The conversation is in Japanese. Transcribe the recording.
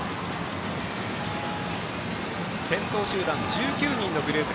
先頭集団１９人のグループ。